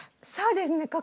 そうですね。